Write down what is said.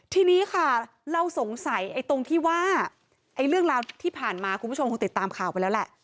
ทีนี้ค่ะเราสงสัยไอ้ตรงที่ว่าเรื่องราวที่ผ่านมาคุณผู้ชมคงติดตามข่าวไปแล้วแหละ